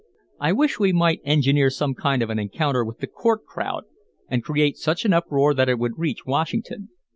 "I wish we might engineer some kind of an encounter with the court crowd and create such an uproar that it would reach Washington.